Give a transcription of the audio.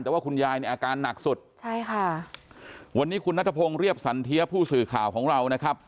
แต่ว่าคุณยายเนี่ยอาการหนักสุดใช่ค่ะวันนี้คุณนัทพงศ์เรียบสันเทียผู้สื่อข่าวของเรานะครับ